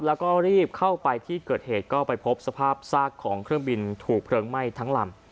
แล้วก็รีบเข้าไปที่เกิดเหตุก็ไปพบสภาพซากของเครื่องบินถูกเพลิงไหม้ทั้งลำ